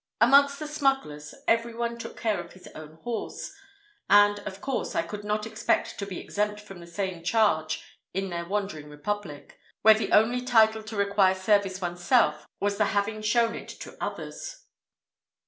Amongst the smugglers, every one took care of his own horse, and of course I could not expect to be exempt from the same charge in their wandering republic, where the only title to require service oneself was the having shown it to others.